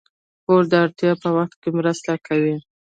پور د اړتیا په وخت کې مرسته کوي.